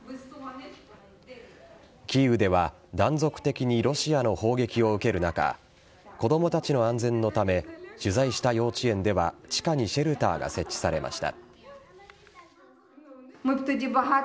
キーウでは断続的にロシアの砲撃を受ける中子供たちの安全のため取材した幼稚園では地下にシェルターが設置されました。